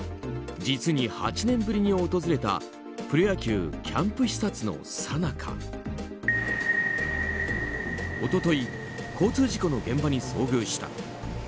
実に８年ぶりに訪れたプロ野球キャンプ視察のさなか一昨日、交通事故の現場に遭遇した。